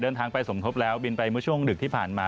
เดินทางไปสมทบแล้วบินไปเมื่อช่วงดึกที่ผ่านมา